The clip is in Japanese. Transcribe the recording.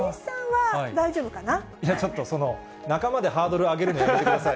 じゃあ、ちょっと、その仲間でハードルを上げるのはやめてください。